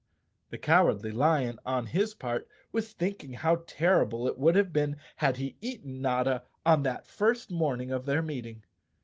The Cowardly Lion, on his part, was thinking how terrible it would have been had he eaten Notta on that first morning of their meeting.